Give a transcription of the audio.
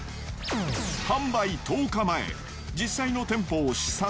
販売１０日前、実際の店舗を視察。